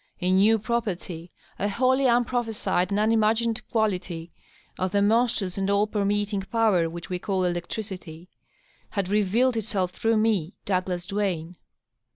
A new property, a wholly unprophesied and unimagined quality of the monstrous and all permeating power which we call electricity, had re vealed itself through me, Douglas Duane.